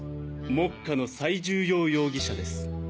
目下の最重要容疑者です。